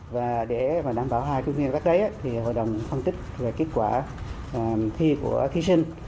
và để đảm bảo hai thí sinh đại học hội đồng phân tích kết quả thi của thí sinh